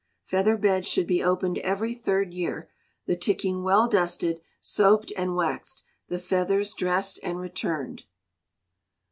Feather beds should be opened every third year, the ticking well dusted, soaped, and waxed, the feathers dressed and returned.